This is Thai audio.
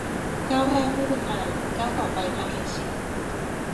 ก้าวแรกไม่เป็นไร ก้าวต่อไปทาเคชิ